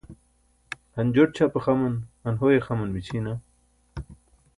han joṭ ćʰape xaman, han hoye xaman mićʰiina?